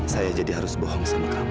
saya jadi harus bohong sama kamu